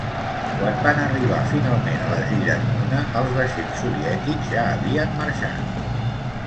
Quan van arribar finalment a les illes Mona, els vaixells soviètics ja havien marxat.